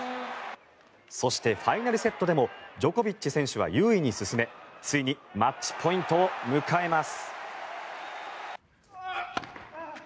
そして、ファイナルセットでもジョコビッチ選手は優位に進めついにマッチポイントを迎えます。